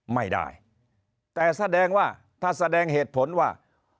ไม่ได้แต่แสดงว่าถ้าแสดงเหตุผลว่า